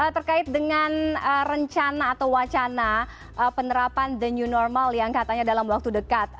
terkait dengan rencana atau wacana penerapan the new normal yang katanya dalam waktu dekat